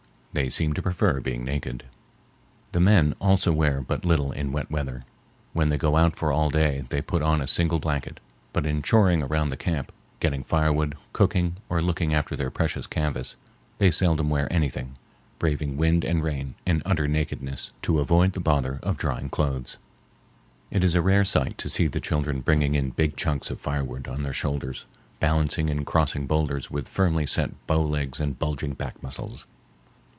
They seem to prefer being naked. The men also wear but little in wet weather. When they go out for all day they put on a single blanket, but in choring around camp, getting firewood, cooking, or looking after their precious canvas, they seldom wear anything, braving wind and rain in utter nakedness to avoid the bother of drying clothes. It is a rare sight to see the children bringing in big chunks of firewood on their shoulders, balancing in crossing boulders with firmly set bow legs and bulging back muscles.